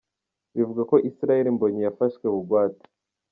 Bivugwa ko Israel Mbonyi yafashwe bugwate.